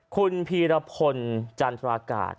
คุณพีรพลจันทรากาศ